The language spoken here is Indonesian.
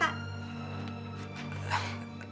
tapi ini kan sudah malam sekali